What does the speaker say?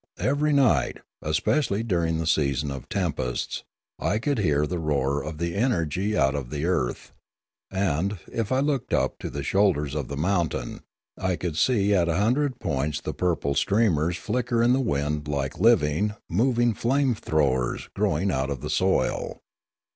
Every night, especially during the season of tempests, I could hear the roar of the energy out of the earth, and, if I looked up to the shoulders of the mountain, I could see at a hundred points the purple streamers flicker in the wind like living, moving flame flowers growing The Lilaran 185 out of the soil.